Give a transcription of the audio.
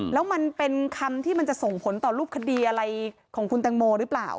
แล้วมันเป็นคำที่มันจะส่งผลต่อรูปคดีอะไรของคุณแตงโมหรือเปล่า